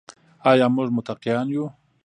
آیا موږ متقیان یو؟